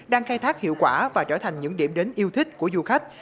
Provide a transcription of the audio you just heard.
đang khai thác hiệu quả và trở thành những điểm đến yêu thích của du khách